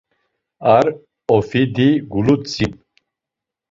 Ar ofidi guludzin...